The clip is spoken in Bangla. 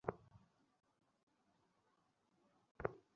শুধু একটা আবেদন?